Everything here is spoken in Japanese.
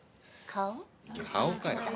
顔かよ。